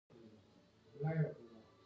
زما لمسیو کړوسیو ته پاتیږي